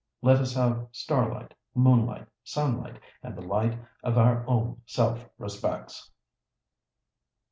Let us have starlight, moonlight, sunlight, and the light of our own self respects.